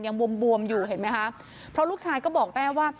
บวมบวมอยู่เห็นไหมคะเพราะลูกชายก็บอกแม่ว่า